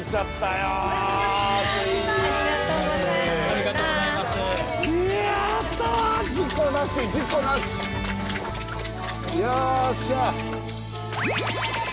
よっしゃ。